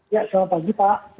ya selamat pagi pak